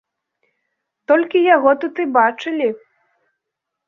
Толькі яго тут і бачылі!